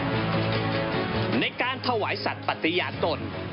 ก็ได้มีการอภิปรายในภาคของท่านประธานที่กรกครับ